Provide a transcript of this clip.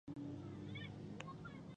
نظر مسوول نه يو